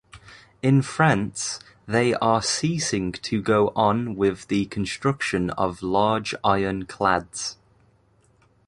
In France they are ceasing to go on with the construction of large iron-clads.